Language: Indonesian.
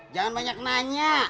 jangan banyak nanya